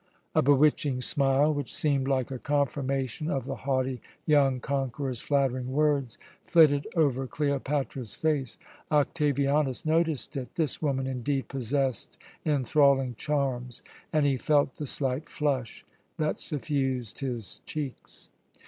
A bewitching smile, which seemed like a confirmation of the haughty young conqueror's flattering words, flitted over Cleopatra's face. Octavianus noticed it. This woman indeed possessed enthralling charms, and he felt the slight flush that suffused his cheeks.